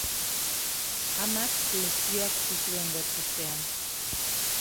Amak lesioak zituen gorputzean.